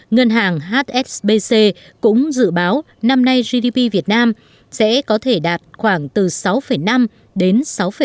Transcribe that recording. ngân hàng hsbc cũng dự báo năm nay gdp việt nam sẽ có thể đạt khoảng từ sáu năm đến sáu năm